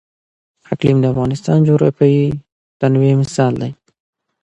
اقلیم د افغانستان د جغرافیوي تنوع مثال دی.